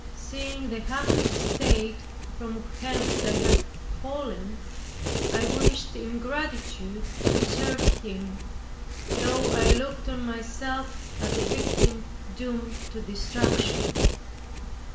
Seeing the happy state from whence I had fallen, I wished in gratitude to serve Him, though I looked on myself as a victim doomed to destruction.